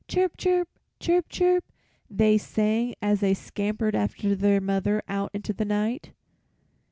"Chirp, chirp, chirp, chirp," they sang as they scampered after their mother out into the night.